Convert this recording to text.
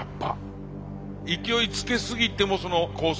勢いつけすぎてもコース